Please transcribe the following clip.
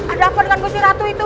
ada apa ngaku syaratu itu